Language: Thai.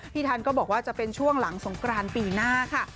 ทันก็บอกว่าจะเป็นช่วงหลังสงกรานปีหน้าค่ะ